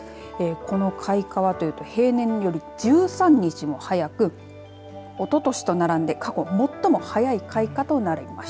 この開花はというと平年より１３日も早くおととしと並んで過去最も早い開花となりました。